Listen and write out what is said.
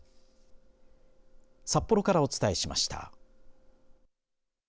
札幌からお伝えしました。